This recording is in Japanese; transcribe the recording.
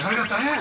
え？